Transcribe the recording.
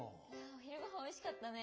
お昼ごはんおいしかったね。